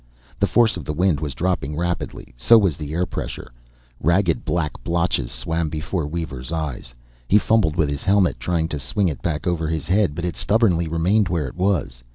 The force of the wind was dropping rapidly; so was the air pressure. Ragged black blotches swam before Weaver's eyes. He fumbled with his helmet, trying to swing it back over his head; but it stubbornly remained where it was.